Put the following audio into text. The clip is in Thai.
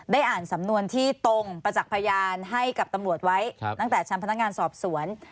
อ่านสำนวนที่ตรงประจักษ์พยานให้กับตำรวจไว้ตั้งแต่ชั้นพนักงานสอบสวน